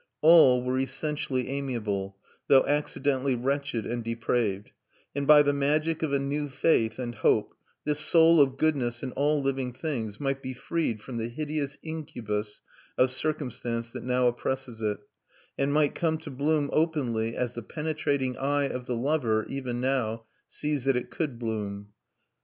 All were essentially amiable, though accidentally wretched and depraved; and by the magic of a new faith and hope this soul of goodness in all living things might be freed from the hideous incubus of circumstance that now oppresses it, and might come to bloom openly as the penetrating eye of the lover, even now, sees that it could bloom.